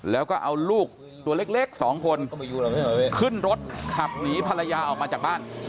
แล้วก็เอาลูกตัวเล็กสองคนขึ้นรถขับหนีภรรยาออกมาจากบ้าน